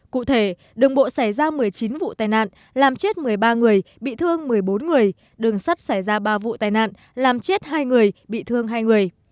cụ thể đường bộ xảy ra một mươi chín vụ tai nạn làm chết một mươi ba người bị thương một mươi bốn người đường sắt xảy ra ba vụ tai nạn làm chết hai người bị thương hai người